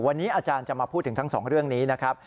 วันนี้อาจารย์จะมาพูดถึงทั้งสองเรื่องนี้นะครับ